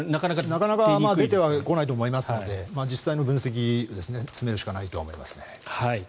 なかなか出てはこないと思いますので実際の分析で詰めるしかないと思いますね。